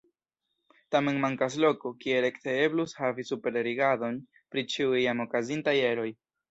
Tamen mankas loko, kie rekte eblus havi superrigardon pri ĉiuj jam okazintaj eroj.